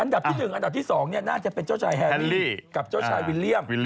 อันดับที่๑อันดับที่๒น่าจะเป็นเจ้าชายแฮรี่กับเจ้าชายวิลเลี่ยม